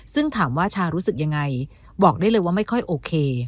ซึ่งถามว่าชารู้สึกยังไงบอกได้เลยว่าไม่ค่อยโอเค